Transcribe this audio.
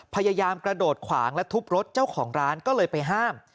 พยายามกระโดดขวางและทุบรถเจ้าของร้านก็เลยไปห้าม